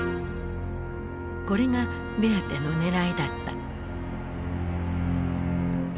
これがベアテのねらいだった。